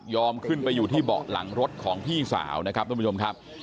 ขึ้นไปอยู่ที่เบาะหลังรถของพี่สาวนะครับทุกผู้ชมครับ